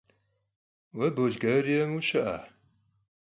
Vue Bolgariêm yişı'a?